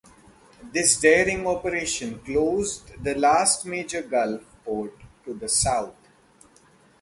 This daring operation closed the last major gulf port to the South.